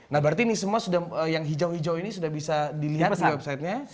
nah berarti ini semua sudah yang hijau hijau ini sudah bisa dilihat di websitenya